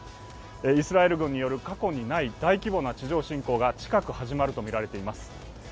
イスラエル軍による、過去にない大規模な地上侵攻が近く始まるとみられています。